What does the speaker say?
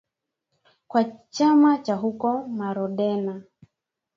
kwa chama cha huko Marondera